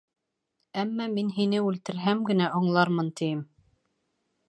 Әммә мин һине үлтерһәм генә, аңлармын, тием.